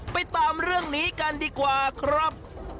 ไปตามเรื่องนี้กันดีกว่าครับ